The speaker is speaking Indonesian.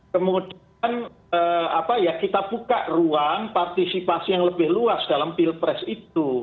kemudian kita buka ruang partisipasi yang lebih luas dalam pilpres itu